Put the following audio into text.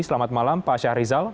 selamat malam pak syahrizal